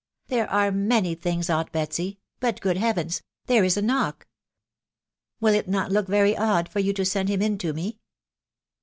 " There are many things, aunt Betsy .... But, good . heavens ! there is a knock .... Will it not look very odd for you to send him in to me